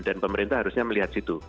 dan pemerintah harusnya melihat situ